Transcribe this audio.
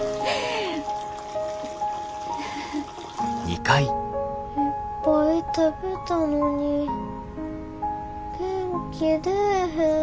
いっぱい食べたのに元気出ぇへん。